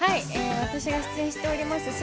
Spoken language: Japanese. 私が出演しております